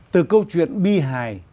từ câu chuyện bi hài